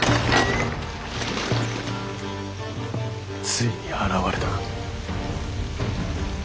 ついに現れたか。